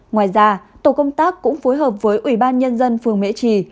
ngoài ra tổ công tác cũng phối hợp với ủy ban nhân dân phường mễ trì